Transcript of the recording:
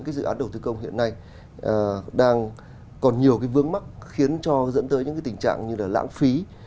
cái dự án đầu tư công hiện nay đang còn nhiều cái vướng mắc khiến cho dẫn tới những cái tình trạng như là lãng phí